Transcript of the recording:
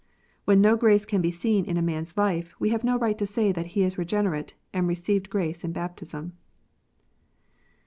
When no grace can be seen in a man s life, we have no right to say that he is regenerate and received grace in baptism.